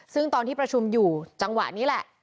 ซึ่งตอนที่ประชุมอยู่จังหวะนี้แหละ